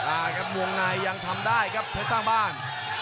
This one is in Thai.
อ่าครับวงในยังทำได้ครับเพชรสร้างบ้าน